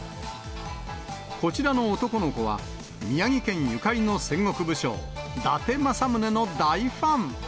こちらの男の子は、宮城県ゆかりの戦国武将、伊達政宗の大ファン。